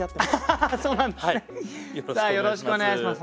よろしくお願いします。